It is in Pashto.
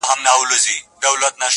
زلمي خوبونو زنګول کیسې به نه ختمېدي-